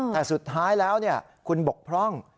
แต่สุดท้ายแล้วคุณบกพร่อง